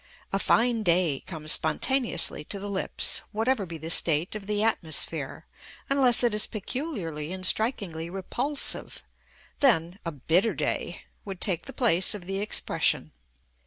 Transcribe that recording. "A fine day" comes spontaneously to the lips, whatever be the state of the atmosphere, unless it is peculiarly and strikingly repulsive; then "A bitter day" would take the place of the expression.